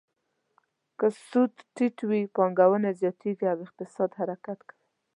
که سود ټیټ وي، پانګونه زیاتیږي او اقتصاد حرکت کوي.